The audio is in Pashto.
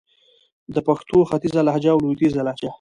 د پښتو ختیځه لهجه او لويديځه لهجه